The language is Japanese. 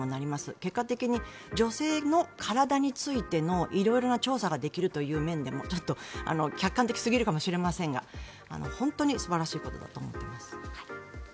結果的に女性の体についての色々な調査ができるという面でもちょっと客観的すぎるかもしれませんが本当に素晴らしいことだと思っています。